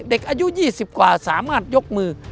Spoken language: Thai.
เด็กอายุ๒๐กว่าสามารถยกมือ